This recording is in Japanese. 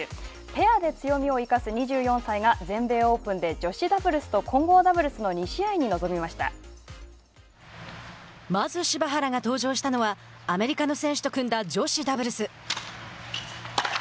ペアで強みを生かす２４歳が全米オープンで女子ダブルスと混合ダブルスのまず柴原が登場したのはアメリカの選手と組んだ女子ダブルス。